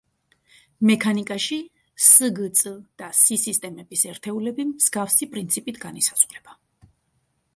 მექანიკაში სგწ და სი-სისტემის ერთეულები მსგავსი პრინციპით განისაზღვრება.